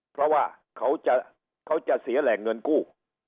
เพราะว่าเขาจะเสียแหล่งเงินกู้